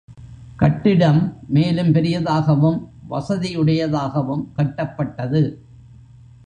கட்டிடம் மேலும் பெரியதாகவும், வசதியுடையதாகவும் கட்டப்பட்டது.